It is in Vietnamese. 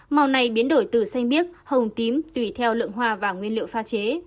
màu này biến đổi từ xanh biếc hồng tím tùy theo lượng hoa và nguyên liệu pha chế